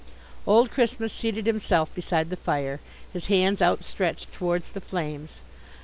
Old Christmas seated himself beside the fire, his hands outstretched towards the flames.